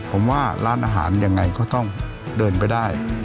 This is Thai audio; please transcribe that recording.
ผมว่าร้านอาหารยังไงก็ต้องเดินไปได้